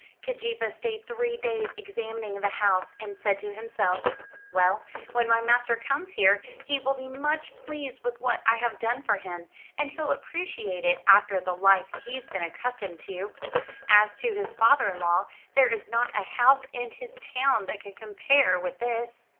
Keejeepaa stayed three days examining the house, and said to himself: "Well, when my master comes here he will be much pleased with what I have done for him, and he'll appreciate it after the life he's been accustomed to. As to his father in law, there is not a house in his town that can compare with this."